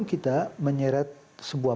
kita menyeret sebuah